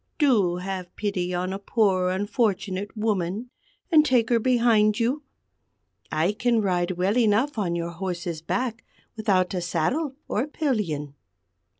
Do have pity on a poor unfortunate woman, and take her behind you. I can ride well enough on your horse's back without a saddle or pillion."